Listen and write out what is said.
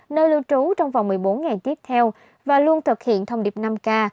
nơi lưu trú trong vòng một mươi bốn ngày tiếp theo và luôn thực hiện thông điệp năm k